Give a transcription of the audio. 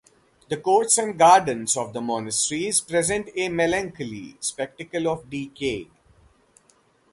The courts and gardens of the monasteries present a melancholy spectacle of decay.